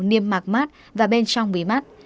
niêm mạc mắt và bên trong bí mắt